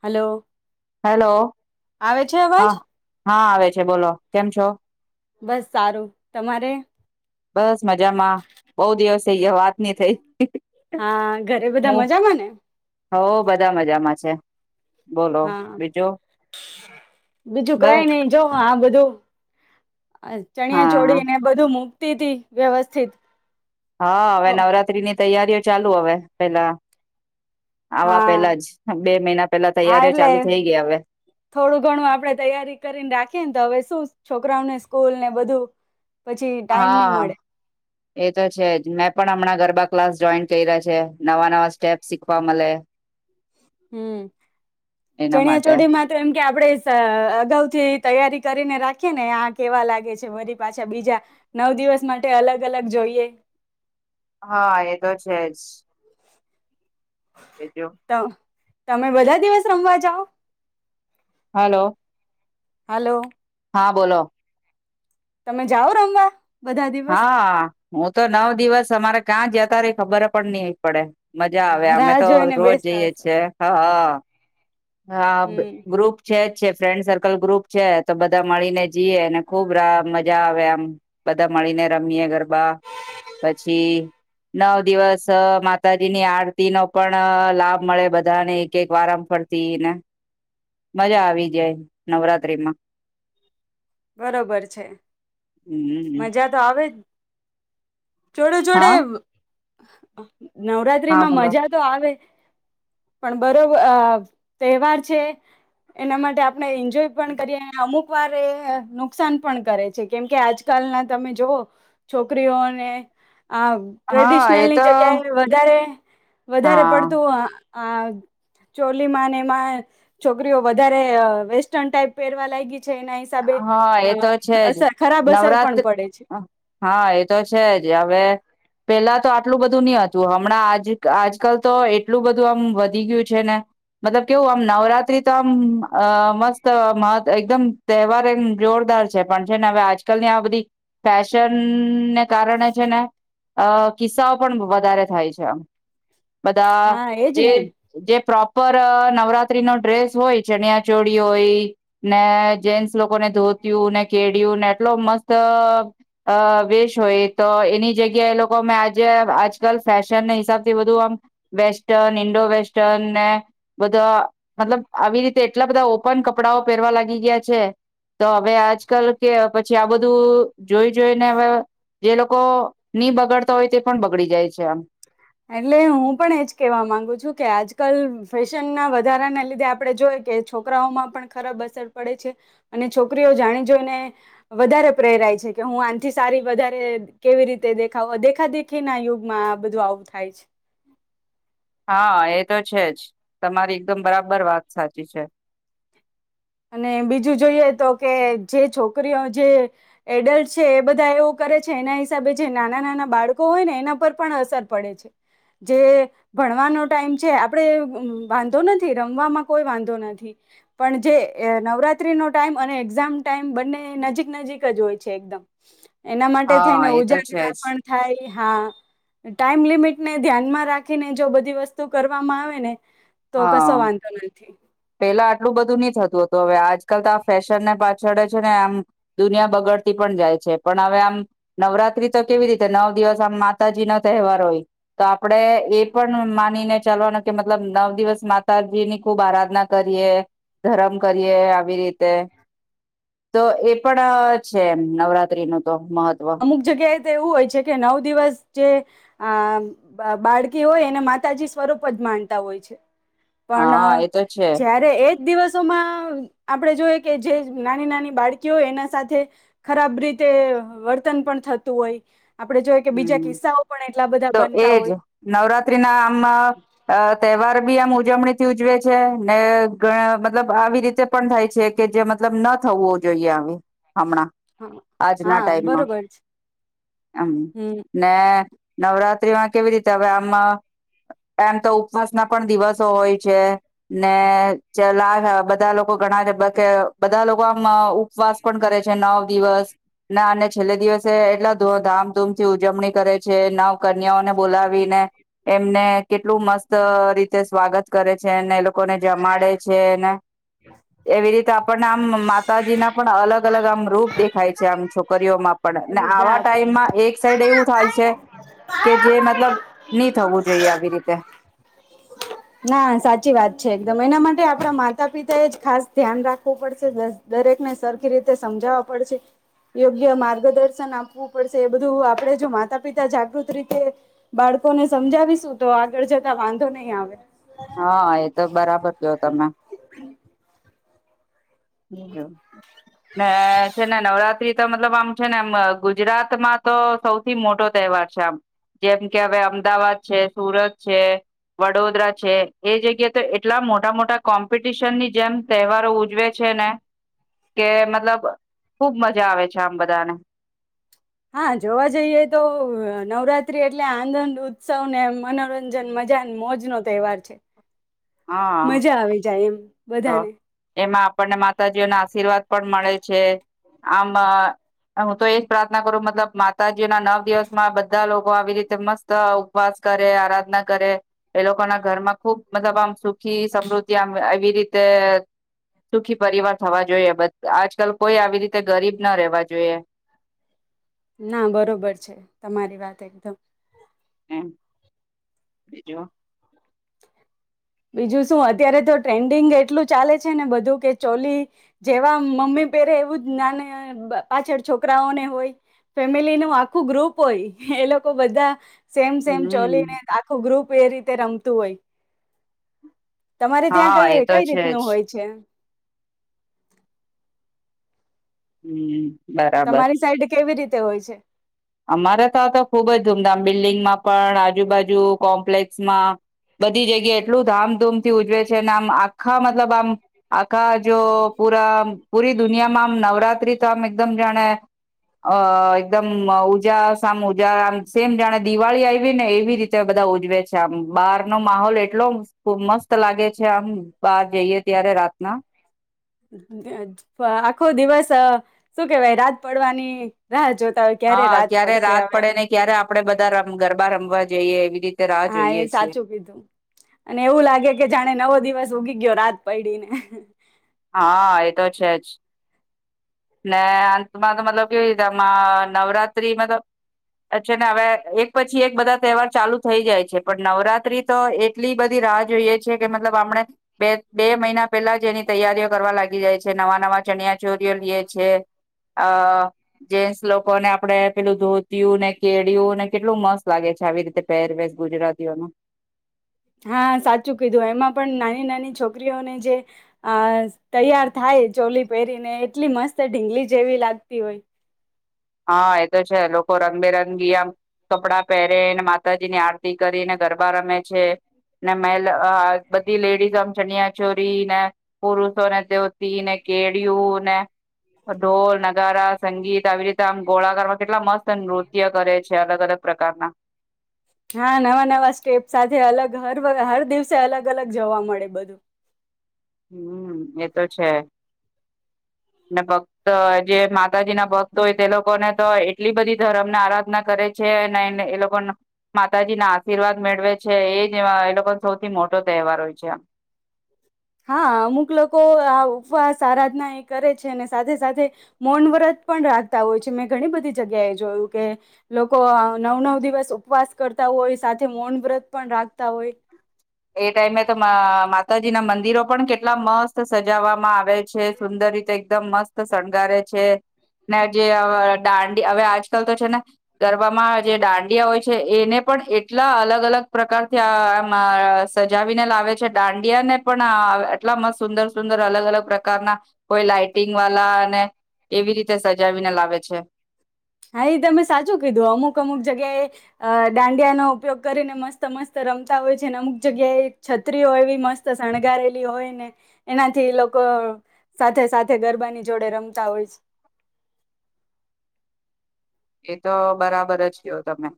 Hello hello આવે છે હા અવાજ હા આવે છે બોલો કેમ છો બસ સારું તમારે બસ મજામાં બહ દિવસ થઈયા વાત નની થઈ હા ઘરે બધા હ મજામાં ને હો બધા મજામાં છે બોલો હા બીજું બીજું બસ કઈ નહ જો હા બધું ચણિયા હા ચોડી ને બધું મ સ્થિ વ્યવસ્થિત હા હવે તો નવરાત્રી ની તૈયારીઓ ચાલુ હવે પેલા આવા હા પેલા જ બે મહિના પેલા હા તૈયારીઓ એટલે ચાલુ થઈ ગઈ હવે થોડું ઘણું આપડે તૈયારી કરીને રાખીએ ને તો હવે શું છોકરાઓને સ્કૂલ ને બધું પછી ટાઈમ નહી હા મળે એ તો છે જ મેં પણ હમણાં ગરબા ક્લાસ જોઈન કર્યા છે નવા નવા સ્ટેપ શીખવા મળે હમ એના ચણિયા માટે ચોઢી માત્ર એમ કે આપડે અગાઉ થી તૈયારી કરીને રાખીએ ને આ કેવા લાગે છે વરી પાછા બીજા નવ દિવસ માટે અલગ અલગ જોઈએ હા એ તો છે જ કેજો તો તમે બધા દિવસ રમવા જાાવ હાલો હલો હા બોલો તમે જાઓ રમવા બધા દિવસ હા હું તો નવ દિવસ અમારે ક્યાં જતા ર ખબર પણ નહ પડે મજા આવે અમે રાહ તો જોઈને રોજ બેસતા જઈએ હશે છીએ હા હા હા હમ ગ્રુપ છે ફ્રેન્ડ સર્કલ ગ્રુપ છે તો બધા મળીને જીએ અનેને ખુબ રા મજા આવે આમ બધા મળીને રમીયે ગરબા પછી નવ દિવસ માતાજીની આરતી નો પણ લાભ મળે બધાને એક એક વારં ફરતી ને મજા આવી જાય નવરાત્રીમાં બરોબર છે હમ હમ હ દવેે જોડે જોડે હા અ નવરાત્રી હા માં બોલો મજા તો આવે પણ બરોબર તહેવાર છે એના માટે આપણે એન્જોય પણ કરીએ અને અમુક વાર એ નુકસાન પણ કરે છે કેમ કે આજ લ ના તમે જવઓ છોકરીઓને હ હા ટ્રેડિશનલ એ ની તો જગ્યાએ વધારે વધારે હા પડતું આ ચોલીમાં ને એમાં છોકરીઓ વધારે વેસ્ટર્ન ટાઈપ પહેરવા લાગી એના હિસાબે હા એ તો છે જ અ ખરાબ અસર પણ નવરાત્ર પડે છે હા એ તો છે જ હવે પેલા તો આટલું બધું નહ હતું હમણાં આ આજકાલ તો એટલું બધું આમ વધી ગયું છે ને મતલબ કેવું આમ નવરાત્રી તો આમ મસ્ત મહ એકદમ તહેવાર એ જોરદાર છે પણ છે ને હવે આજકાલની આ બધી ફેશનને કારણે છે ને અ કિસ્સાઓ પણ વધારે થાય છે આમ બધા હા એજ ને જે પ્રોપ ઉપર નવરાત્રી નો ડ્રેસ હોય ચણિયા ચોળી હોય ને જેેન્સ લોકો ને ધોતું ને કે ્યું ને એટલો મસ્ત વેશ હોય તો એની જગ્યા એ લોકો અમે આજે આજકાલ ફેશન ના હિસાબ થી બધું આમ વેસ્ટર્ન ઈન્ડો વેસ્ટર્ન ને બધા મતલબ આવી રીતે એટલા બધા ઓપન કપડાઓ પહેરવા લાગી ગયા છે તો હવે આજકાલ કે પછી આ બધું તો જોઈ જોઈને હવે જે લોકો નહી બગાડતા હોય તે પણ બગડી જાય છે આમ એટલે હું પણ એજ કેવા માંગુ છું કે આજકાલ ફેશન ના વધારાના લીધે આપડણે જોય કે છોકરાઓમાં પણ ખરાબ અસર પડે છે અને છોકરીઓ જાણી જોઈને વધારે પ્રેરાય છે કે હું આથી સારી વધારે કેવી રીતે દેખાવ દેખાદેખી ના યુગમાં આ બધું આવુંતું ખાય છે. હા એ તો છે જ, તમારી એકદમ બરાબર વાત સાચી છે. અને બીજું જોઈએ તો કે જે છોકરીઓ જે, એડલ્ટ છે એ બધા એવું કરે છે એના હિસાબે જે નાના નાના બાળકો હોય ને એના પર પણ અસર પડે છે, જે ભણવાનો ટાઈમ છે આપણે વાંધો નથી રમવામાં કોઈ વાંધો નથી, પણ જે નવરાત્રી નો ટાઈમ અને એક્ઝામ ટાઈમ બંને નજીક નજીક જ હોય છે એકદમ. એના માટે થઈને હા એ તો છે ઉજાગ્ર જ પણ થાય હા, ટાઈમ લિમિટ ને ધ્યાનમાં રાખીને જો બધી વસ્તુ કરવામાં આવે ને. તો કશો હા વાંધો નથી. પેલા આટલું બધું નહ થતું હતું. હવે આજકાલ તો આ ફેશનને પાછળે છે ને આમ દુનિયા બગડતી પણ જાય છે પણ હવે આમ નવરાત્ર તો કેવી રીતે નવ દિવસ માતાજી નો તહેવાર હોય, તો આપડે એ પણ માનીને ચાલવાનો કે મતલબ નવ દિવસ માતાજી ની ખુબ આરાધના કરીએ, ધરમ કરીએ આવી રીતે તો એ પણ છે એમ નવરાત્રી ન અમુક જગ્યાએ તો એવું હોય છે કે નવ દિવસ જે આ બાળકી હોય એને માતાજી સ્વરૂપ જ માણતા હોય છે. પણ હા એ તો છે જયારે એજ એક દિવસોમાં આપણેે જોઈ કે જે નાની નાની બાળકીઓ એના સાથે, ખરાબ રીતે વર્ત ત પણ થતું હોય. આપણે જોઈએ કે બીજા હમ, કિસ્સાઓ પણ એટલા બધા તો બનતા એજ હોય નવરાત્રી ના આમ તહેવાર બી આમ ઉજવણી થી ઉજવે છે ને ઘ મતલબ આવી રીતે પણ થાય છે કે જે મતલબ ના થવો જોઈએ આવે. હમણાં, હા આજના હા ટાઈમમાં, બરોબર છે હમ. ને નવરાત્રી માં કેવી રીતે હવે એમ તો ઉપવાસ ના પણ દિવસો હોય છે, ને ચલા બધા લોકો ઘણા કે બધા લોકો આમ ઉપવાસ પણ કરે છે નવ દિવસ, ના અને છેલ્લે દિવસે એટલા ધધામ મ થી ઉજવણી કરે છે નવ કન્યાને બોલાવીને, એમને કેટલું મસ્ત રીતે સ્વાગત કરે છે ને એ લોકો લોકોને જમાડે છે ને, એવી રીતે પણ આમ માતાજી ના પણ અલગ અ અલગ આમ રૂપ દેખાય છે આમ છોકરીઓમાં એ પડેને બીજા આવા આપો ટાઈમમાં એક સાઈડ એવું થાય છે, કે જે મતલબ નહી થવું જોઈએ આવી રીતે. ના સાચી વાત છે એકદમ એના માટે આપણા માતા પિતા એ જ ખાસ ધ્યાન રાખવું પડશે દરેકને સરખી રીતે સમજાવવા પડશે, યોગ્ય માર્ગદર્શન આપવું પડશે એ બધું આપડે જો માતા પિતા જાગૃત રીતે, બાળકોને સમજાવીશું તો આગળ જતા વાંધો નહી આવે. હા એ તો બરાબર જો તમે ને છે ને નવરાત્ર રી મતલબ આમ છે નેમ ગુજરાતમાં તો સૌથી મોટો તહેવાર છે આમ જેમ કે હવે અમદાવાદ છે સુરત છે વડોદરા છે એ જગ્યાએ તો એટલા મોટા મોટા કોમ્પિટિશનની જેમ તહેવારો ઉજવે ને કે મતલબ ખુબ મજા આવે છે આમ બધાને હા જોવા જઈએ તો નવરાત્રી એટલે આનંદ ઉત્સવ ને મનોરંજન મજા મોજ નો તહેવાર છે હા મજા આવે જાય એમ તો બધાને એમાં આપણને માતાજીઓ ના આશીર્વાદ પણ મળે છે આમ હું તો એજ પ્રાર્થના કરું મતલબ જે ના નવ દિવસમાં બધા લોકો આવી રીતે મસ્ત ઉપવાસ કરે આરાધના કરે એ લોકો ના ઘરમાં ખુબ મતલબ આમ સુખી સમૃદ્ધિ આમ આવી રીતે સુખી પરિવાર થવા જોઈએ આજકાલ કોઈ આવી રીતે ગરીબ ના રહેવા જોઈએ ના બરોબર છે તમારી વાત એકદમ બીજો બીજું શું અત્યારે તો ટ્રેન્ડિંગ એટલું ચાલે છે ને બધું કે ચોલી જેવા મમ્મી પેરે એવું જ ના પાછળ છોકરાઓને હોય ફેમિલી નું આખું ગ્રુપ હોય એ લોકો બધા સેમ સેમ ચલી હમ ને આખું ગ્રુપ એ રીતે રંગ તઈ તમારે ત્યાં હા એ કઈ તો કઈ છે જ રીતનું હોય છે? હમ બરાબર તમારી સાઈડ કેવી રીતે તે હોય છે? અમારે તો તો ખુબ જ ધૂમધામ બી બિલ્ડીિંગમાં પણ આજુબાજુ કોમ્પ્લેક્સમાં બધી જગ્યાએ એટલું ધામધૂમ થી ઉજવે છે ને આમ આપ આખા મતલબ આમ આખા જો પૂરા પુરી દુનિયામાં આમ નવરાત્રી તો આમ એકદમ જાણે અ એકદમ આમ ઉજાસ આમ ઉજા આમ સેમ જાણે દિવાળી આયવી ને એવી રીતે બધા ઉજવે છે. આમ બાર નો માહોલ એટલો મસ્ત લાગે છે આમ બાર જઈએ ત્યારે રાતના આખો દિવસ શું કેવાય રાત પડવાની રાહ જોત હા ક્યારે રાત પડે ને ક્યારે આપણે બધા રમ ગરબા રમવા જઈએ એવી રીતે રાહ હા એ જોઈએ છીએ સાચું કીધું અને એવું લાગે કે જાણે નવો દિવસ ઉગી ગયો રાત પયડીને હા એ તો છે જ ને અંતમાં તો મતલબ કેવી રીતે આમ નવરાત્રી મતલબ છે ને હવે એક પછી એક બધા તહેવાર ચાલુ થઈ જાય છે પણ નવરાત્રી તો એક એટલી બધી રાહ જોઈએ છીએ કે મતલબ હમણાં બે બે મહિના પેલા જ એની તૈયારીઓ કરવા લાગી જાય છે. નવા નવા ચણિયા ચોરીઓ લીએ છે. અ જેન્સ લોકોને આપણે પેલું ધોતિયું ને કેડિયું ને કેટલું મસ્ત લાગે છે આવી રીતે પહેરવેશ ગુજરાતીઓનું હા, સાચું કીધું એમાં પણ ના નાની છોકરીઓને જે અ તૈયાર થાય ચોલી પહેરીને એટલી મસ્ત ઢીંગલી જેવી લાગતી હોય. હહ એ તો છે લોકો રંગબેરંગી આમ કપડાં પહેરેને, માતાજીની આરતી કરીને ગરબા રમે છે, ને મેં બધી લેડીઝ આમ ચનિયા ચોરી ને પુરુષોને ધોતી ને કેળિયું ને ઢોલ, નગારા, સંગીત આવી રીતે તે આમ ગોળાકારમાં કેટલા મસ્ત નૃત્ય કરે છે, અલગ અલગ પ્રકારના હા નવા નવા સ્ટેપ સાથે અલગ હર વ- હર દિવસે અલગ અલગ જોવા મળે બધું હમ એ તો છે, ને ભક્ત જે માતાજીના ભક્ત હોય તે લોકોને તો એટલી બધી ધરમને આરાધના કરે છે, અને એ લોકોનો માતાજીના આશીર્વાદ મેળવે છે એ જ એ લોકોનો સૌથી મોટો તહેવાર હોય છે, આમ હા અમુક લોકો આ ઉપવાસ આરાધના એ કરે છે, ને સાથે સાથે મૌન વ્રત પણ રાખતા હોય છે, મેં ઘણી બધી જગ્યાએ જોયું કે લોકો નવ નવ દિવસ ઉપવાસ કરતા હોય, સાથે મૌન વ્રત પણ રાખતા હોય એ ટાઈમે તો માં માતાજીના મંદિરો પણ કેટલા મસ્ત સજાવામાં આવે છે, સુંદર રીતે એકદમ મસ્ત શણગારે છે ને જે દાંડી હવે આજકાલ તો છે ને ગરબામાં જે દાંડિયા હોય છે, એને પણ એટલા અલગ અલગ પ્રકારથી આમ આ સજાવીને લાવે છે, દાંડિયાને પણ આ એટલા મસ્ત સુંદર સુંદર અલગ અલગ પ્રકારના કોઈ લાઈટિંગ વાલા ને એવી રીતે સજાવીને લાવે છે. હા એ તમે સાચું કીધું અમુક અમુક જગ્યાએ અ દાંડિયાનો ઉપયોગ કરીને મસ્ત મસ્ત રમતા હોય છે, અને અમુક જગ્યાએ છત્રીઓ એવી મસ્ત શણગારેલી હોય ને એનાથી લોકો સાથે સાથે ગરબાની જોડે રમતા હોય છે. એ તો બરાબર જ કયો તમે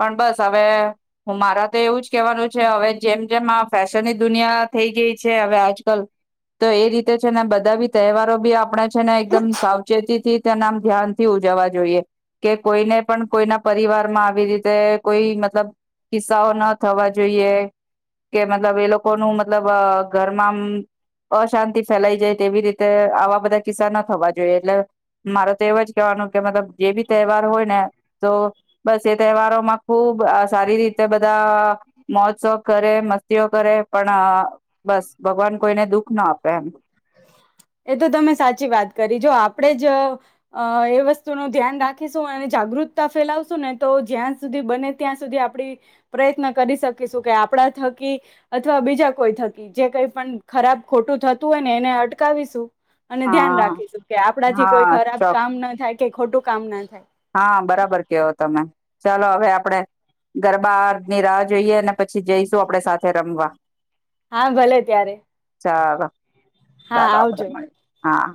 પણ બસ હવે હું મારા તો એવું જ કેવાનું છે, હવે જેમ જેમ આ ફેશનની દુનિયા થઈ ગઈ છે, હવે આજકાલ તો એ રીતે છે ને બધા બી તહેવારો બી આપણે છે, ને એકદમ સાવચેતીથી તેને આમ ધ્યાનથી ઉજાવા જોઈએ કે કોઈને પણ કોઈના પરિવારમાં આવી રીતે કોઈ મતલબ ઉત્સાહો ન થવા જોઈએ, કે મતલબ એ લોકો ન મતલબ ઘ તમા અશાંતિ ફેલાઈ જાય તેવી રીતે આવા બધા કિસ્સા થવા જોઈએ, એટલે મારે તો એવ જ કેવાનું કે મતલબ જે બી હોય ને તો બસ એ તહેવારોમાં ખુબ સારી રીતે બધા મોજ કરે મસ્તીઓ કરે પણ બસ ભગવાન કોઈને દુઃખ ના આપે એમ એ તો તમે સાચી વાત કરી જો આપણેે જ એ વસ્તુ ન ધ્યાન રાખીશું, અને જાગૃતતા ફેલાવશું ને તો જ્યાં સુધી બને ત્યાં સુધી આપડી પ્રયત્ન કરી શકીશું કે આપણા થકી અથવા બીજા કોઈ થકી જે કઈ પણ ખરાબ ખોટું થતું હોય, ને એને અટ ચકાવીશું અને ધ્યાન હા રાખીશું કે આપડાથી કોઈ હા ખરાબ ચોક કામ ના થાય, કઈ ખોટું કામ ના થાય હા બરાબર કેવો તમે ચાલો હવે આપડે ગરબા ની રાહ જોઈએ, ને પછી જઈશું આપડ સાથે રમવા હા ભલે ત્યારે ચાલો હા ચાલો આપડે આવજો મળી હા